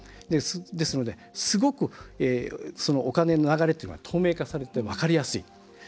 ですので、すごくそのお金の流れっていうのは透明化されて分かりやすい。